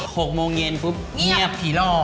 หกโมงเย็นปุ๊บเงียบผีล่อ